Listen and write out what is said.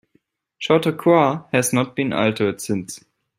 Chautauqua has not been altered since.